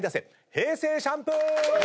平成シャンプー！